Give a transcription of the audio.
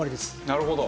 なるほど。